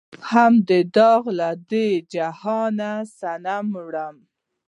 هم دا داغ لۀ دې جهانه د صنم وړم